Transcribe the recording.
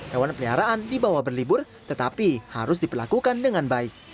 hewan peliharaan dibawa berlibur tetapi harus diperlakukan dengan baik